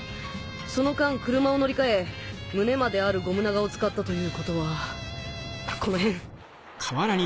その間車を乗り換え胸まであるゴム長を使ったということはこの辺。